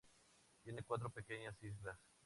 Tiene cuatro pequeñas islas.